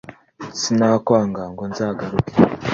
sinakwanga ngo nzagaruke